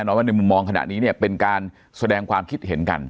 ว่าในมุมมองขณะนี้เนี่ยเป็นการแสดงความคิดเห็นกัน